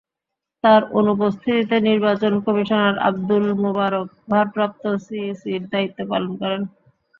তাঁর অনুপস্থিতিতে নির্বাচন কমিশনার আবদুল মোবারক ভারপ্রাপ্ত সিইসির দায়িত্ব পালন করেন।